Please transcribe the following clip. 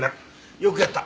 よくやった！